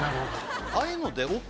ああいうので。